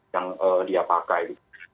yang dia pakai